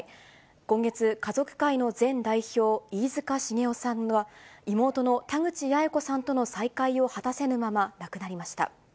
今月、家族会の前代表、飯塚繁雄さんが妹の田口八重子さんとの再会を果たせぬまま、亡くなりました。